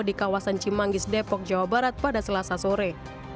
di kawasan cimanggis depok jawa barat pada selasa sore